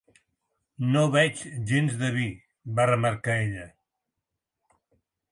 "No veig gens de vi", va remarcar ella.